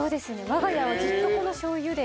わが家はずっとこのしょうゆで。